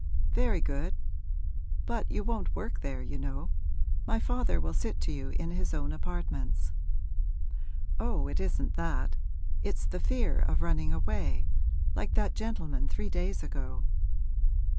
'Very good; but you won't work there, you know. My father will sit to you in his own apartments.' 'Oh, it isn't that; it's the fear of running away, like that gentleman three days ago.'